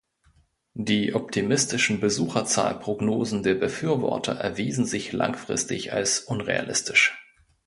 Die optimistischen Besucherzahl-Prognosen der Befürworter erwiesen sich langfristig als unrealistisch.